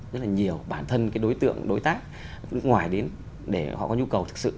rất là nhiều bản thân đối tượng đối tác ngoài đến để họ có nhu cầu thực sự